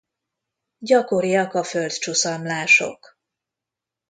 Gyakoriak a földcsuszamlások.